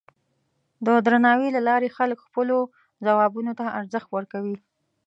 د درناوي له لارې خلک خپلو ځوابونو ته ارزښت ورکوي.